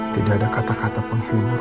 tidak ada kata kata penghibur